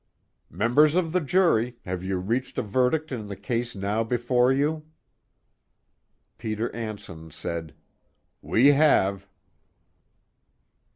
"Members of the jury, have you reached a verdict in the case now before you?" Peter Anson said: "We have."